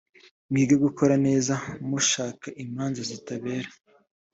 mwige gukora neza mushake imanza zitabera